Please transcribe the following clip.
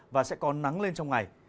và sẽ có nắng lên trong ngày